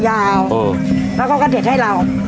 ยาวแล้วก็กระเด็ดให้เรา